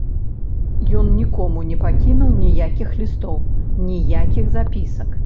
Ён нікому не пакінуў ніякіх лістоў, ніякіх запісак.